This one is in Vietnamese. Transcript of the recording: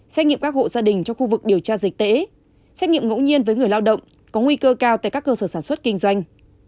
xét nghiệm các hộ gia đình trong khu vực điều tra dịch tễ xét nghiệm ngẫu nhiên với người lao động có nguy cơ cao tại các cơ sở sản xuất kinh doanh